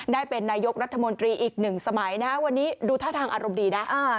ได้เป็นนายกรัฐมนตรีอีกหนึ่งสมัยนะฮะวันนี้ดูท่าทางอารมณ์ดีนะ